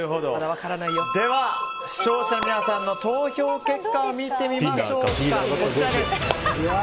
では、視聴者の皆さんの投票結果を見てみましょう。